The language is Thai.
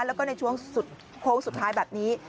แล้วก็ในช่วงสุดโค้งสุดท้ายแบบนี้